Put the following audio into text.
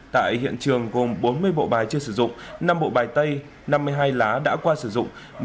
tại hiện trường gồm bốn mươi bộ bài chưa sử dụng năm bộ bài tay năm mươi hai lá đã qua sử dụng